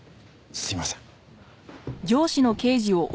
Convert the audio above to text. すいません。